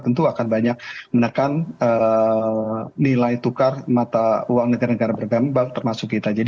tentu akan banyak menekan nilai tukar mata uang negara negara berkembang termasuk kita